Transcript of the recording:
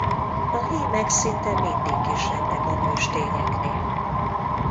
A hímek szinte mindig kisebbek a nőstényeknél.